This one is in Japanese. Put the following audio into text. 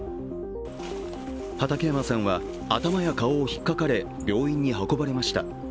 畠山さんは頭や顔をひっかかれ病院に運ばれました。